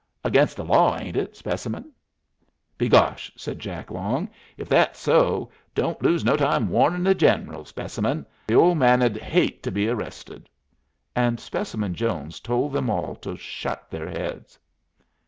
"Against the law, ain't it, Specimen?" "Begosh!" said Jack Long, "ef thet's so, don't lose no time warnin' the General, Specimen. Th' ole man'd hate to be arrested." And Specimen Jones told them all to shut their heads.